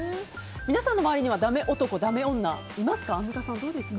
皆さんの周りにはダメ男、ダメ女いますか？